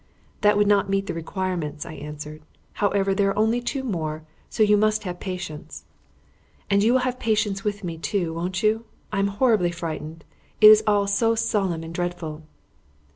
"That would not meet the requirements," I answered. "However, there are only two more, so you must have patience." "And you will have patience with me, too, won't you? I am horribly frightened. It is all so solemn and dreadful."